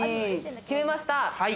決めました。